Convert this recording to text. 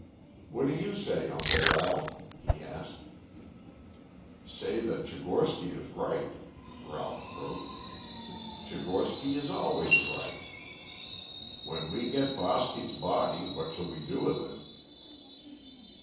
"What do you say, Uncle Ralph?" he asked. "Say that Tchigorsky is right," Ralph croaked; "Tchigorsky is always right. When we get Voski's body, what shall we do with it?"